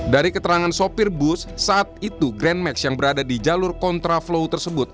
dari keterangan sopir bus saat itu grand max yang berada di jalur kontraflow tersebut